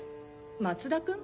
松田君？